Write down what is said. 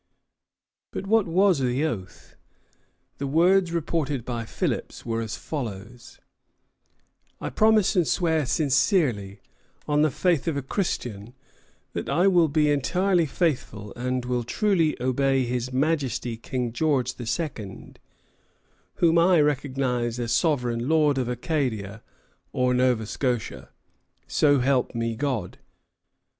But what was the oath? The words reported by Philipps were as follows: "I promise and swear sincerely, on the faith of a Christian, that I will be entirely faithful, and will truly obey his Majesty King George the Second, whom I recognize as sovereign lord of Acadia or Nova Scotia. So help me God."